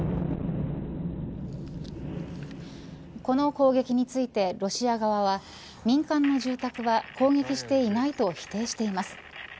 この攻撃についてロシア側は民間の住宅は攻撃していないと否定しています。